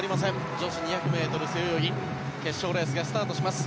女子２００ｍ背泳ぎ決勝レースがスタートします。